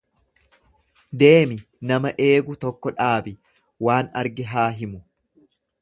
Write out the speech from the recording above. Deemi nama eegu tokko dhaabi, waan arge haa himu.